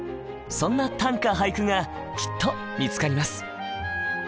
そんな短歌・俳句がきっと見つかります。